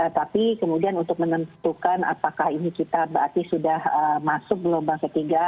tapi kemudian untuk menentukan apakah ini kita berarti sudah masuk gelombang ketiga